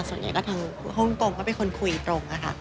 ส่วนใหญ่ก็ทางฮ่องกงก็เป็นคนคุยตรงนะคะ